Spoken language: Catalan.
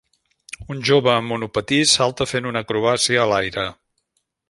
un jove amb monopatí salta fent una acrobàcia a l'aire.